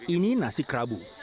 ini nasi kerabu